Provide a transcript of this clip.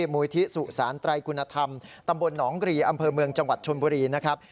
มูลที่สุสานไตรคุณธรรมตำบลหนองกรีอำเภอเมืองจังหวัดชนบุรีนะครับ